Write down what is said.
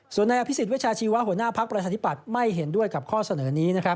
ส่วนในอภิษฐวิชาชีวะหัวหน้าภักรประธิบัติไม่เห็นด้วยกับข้อเสนอนี้